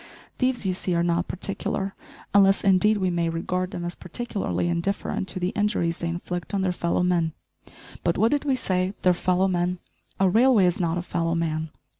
Thieves, you see, are not particular, unless, indeed, we may regard them as particularly indifferent to the injuries they inflict on their fellow men but, what did we say? their fellow men? a railway is not a fellow man.